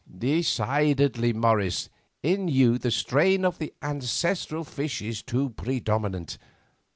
"Decidedly, Morris, in you the strain of the ancestral fish is too predominant.